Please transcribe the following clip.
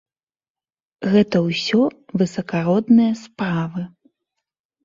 Гэта ўсё высакародныя справы.